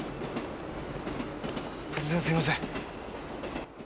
突然すいません。